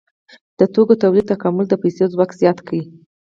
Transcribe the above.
د توکو تولید تکامل د پیسو ځواک زیات کړ.